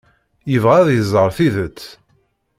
Yebɣa ad iẓer tidet.